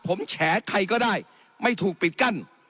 ผมแฉใครก็ได้ไม่ถูกปิดกั้น